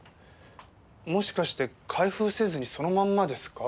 もしかして開封せずにそのまんまですか？